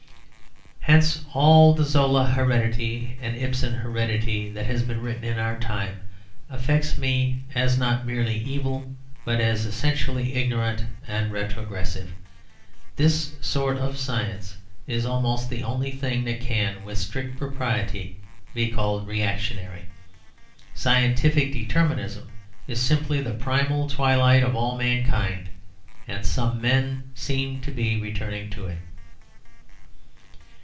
Hence all the Zola heredity and Ibsen heredity that has been written in our time affects me as not merely evil, but as essentially ignorant and retrogressive. This sort of science is almost the only thing that can with strict propriety be called reactionary. Scientific determinism is simply the primal twilight of all mankind; and some men seem to be returning to it.